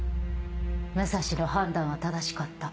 武蔵の判断は正しかった。